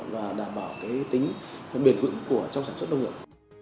và đảm bảo tính bền vững trong sản xuất nông nghiệp